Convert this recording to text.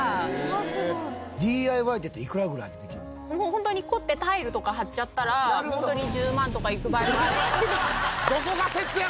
ホントに凝ってタイルとか貼っちゃったらホントに１０万とかいく場合もあるし。